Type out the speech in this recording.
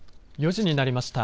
４時になりました。